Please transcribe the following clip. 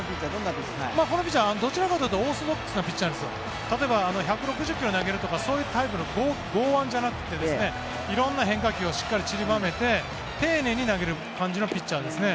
このピッチャーはどちらかというとオーソドックスなピッチャーで例えば１６０ｋｍ投げるとか剛腕じゃなくて色んな変化球をしっかり散りばめて丁寧に投げる感じのピッチャーですね。